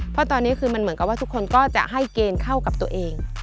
เพราะตอนนี้คือมันเหมือนกับว่าทุกคนก็จะให้เกณฑ์เข้ากับตัวเอง